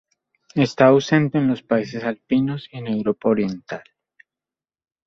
Está ausente en los países alpinos y en Europa Oriental.